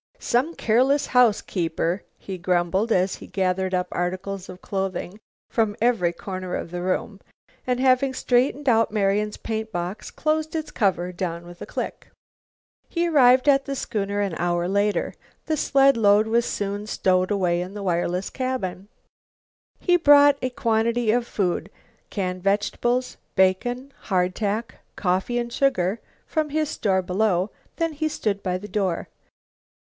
"Some careless housekeeper!" he grumbled as he gathered up articles of clothing from every corner of the room, and, having straightened out Marian's paint box, closed its cover down with a click. He arrived at the schooner an hour later. The sled load was soon stowed away in the wireless cabin. He brought a quantity of food, canned vegetables, bacon, hardtack, coffee and sugar from his store below. Then he stood by the door.